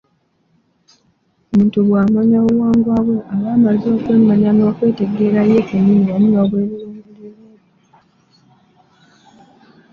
Omuntu bw’amanya obuwangwa bwe aba amaze okwemanya n’okwetegeera ye kennyini wamu n’Obwebulungulule bwe.